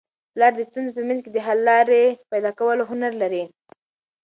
پلار د ستونزو په منځ کي د حل لاري پیدا کولو هنر لري.